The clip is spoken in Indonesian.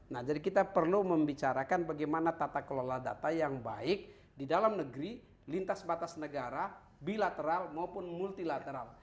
nah jadi kita perlu membicarakan bagaimana tata kelola data yang baik di dalam negeri lintas batas negara bilateral maupun multilateral